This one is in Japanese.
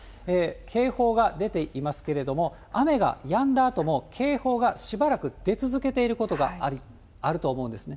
警報が出ていますけれども、雨がやんだあとも、警報がしばらく出続けていることがあると思うんですね。